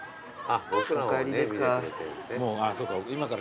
あぁそうか